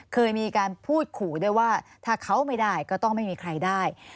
เคยมีการพูดขู่ด้วยว่าถ้าเขาไม่ได้ก็ต้องไม่มีใครได้